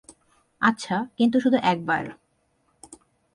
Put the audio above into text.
আচ্ছা, কিন্তু শুধু একবার।